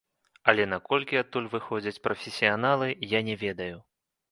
Але наколькі адтуль выходзяць прафесіяналы, я не ведаю.